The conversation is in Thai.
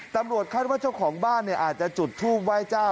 ตำรวจคาดว่าเจ้าของบ้านอาจจะจุดทูปไหว้เจ้า